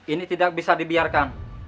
ini tidak bisa dibiarkan